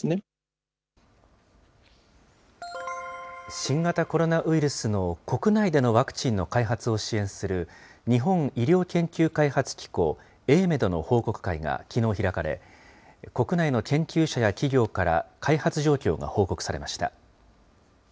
新型コロナウイルスの国内でのワクチンの開発を支援する日本医療研究開発機構・ＡＭＥＤの報告会がきのう開かれ、国内の研究者や企業から、開発状況が報告されました。